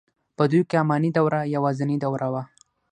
په دوی کې اماني دوره یوازنۍ دوره وه.